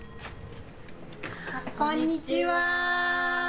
こんにちは！